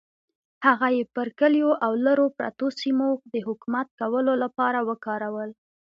هغه یې پر کلیو او لرو پرتو سیمو د حکومت کولو لپاره وکارول.